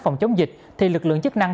phòng chống dịch thì lực lượng chức năng